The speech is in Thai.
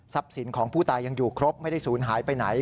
สินของผู้ตายังอยู่ครบไม่ได้ศูนย์หายไปไหน